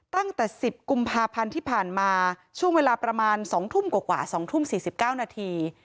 ตั้งแต่๑๐กุมภาพันธ์ที่ผ่านมาช่วงเวลาประมาณ๒ทุ่มกว่า๒ทุ่ม๔๙นาที